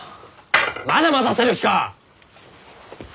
まだ待たせる気か！？